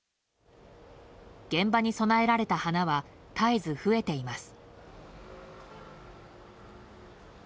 現場に供えられた花は絶えず増えています。